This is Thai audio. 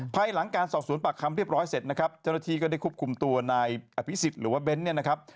ภายหลังการสอบสวนปากคำเรียบร้อยเสร็จนะครับเจ้าหน้าที่ก็ได้ควบคุมตัวนายอภิษฎหรือว่าเบ้นเนี่ยนะครับ